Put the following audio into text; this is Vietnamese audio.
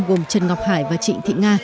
gồm trần ngọc hải và chị thị nga